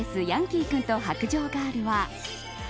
ヤンキー君と白杖ガールは＃